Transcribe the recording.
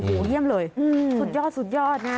โอ้โหเยี่ยมเลยสุดยอดนะ